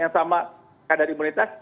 yang sama kadar imunitas